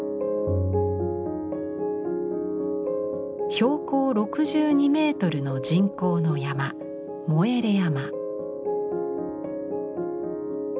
標高６２メートルの人工の山「モエレ山」。